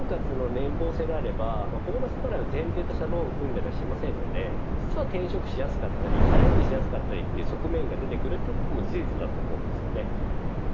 これが１２分割の年俸制であればボーナス払いを前提としたローンを組んだりはしませんので実は転職しやすかったりチャレンジしやすい側面が出てくることも事実です。